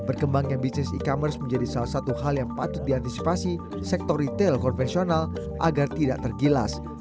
berkembangnya bisnis e commerce menjadi salah satu hal yang patut diantisipasi sektor retail konvensional agar tidak tergilas